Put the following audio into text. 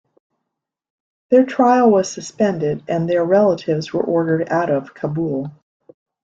Their trial was suspended, and their relatives were ordered out of Kabul.